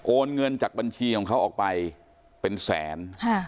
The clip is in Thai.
เงินจากบัญชีของเขาออกไปเป็นแสน